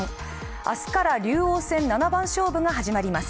明日から竜王戦七番勝負が始まります。